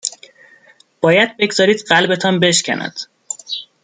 باید بگذارید قلبتان بشکند